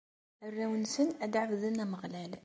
Arraw-nsen ad ɛebden Ameɣlal.